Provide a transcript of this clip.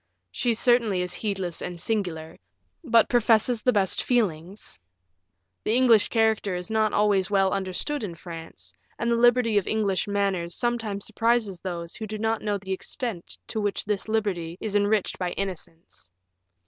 She certainly is heedless and singular, but professes the best feelings. The English character is not always well understood in France, and the liberty of English manners sometimes surprises those who do not know the extent to which this liberty is enriched by innocence."